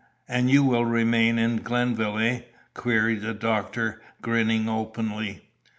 "And you will remain in Glenville, eh?" queried the doctor, grinning openly.